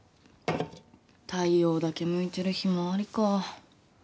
太陽だけ向いてるヒマワリか。